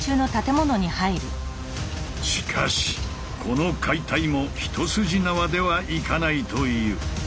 しかしこの解体も一筋縄ではいかないという。